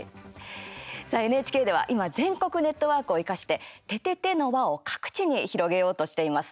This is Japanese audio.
さあ、ＮＨＫでは今全国ネットワークを生かして「ててて」の輪を各地に広げようとしています。